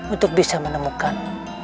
untuk bisa menemukan